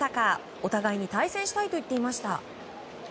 お互いに対戦したいと言っていました。